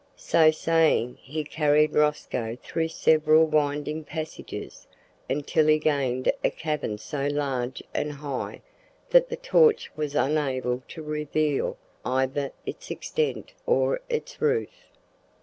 So saying, he carried Rosco through several winding passages until he gained a cavern so large and high, that the torch was unable to reveal either its extent or its roof.